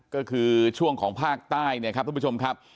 ก็คือช่วงของภาคใต้ครับท่านผู้ชมครับ